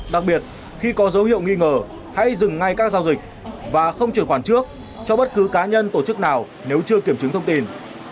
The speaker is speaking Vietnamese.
đặc biệt khi có dấu hiệu nghi ngờ hãy dừng ngay các giao dịch và không chuyển khoản trước cho bất cứ cá nhân tổ chức nào nếu chưa kiểm chứng thông tin